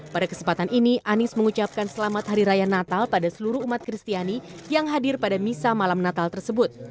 pada kesempatan ini anies mengucapkan selamat hari raya natal pada seluruh umat kristiani yang hadir pada misa malam natal tersebut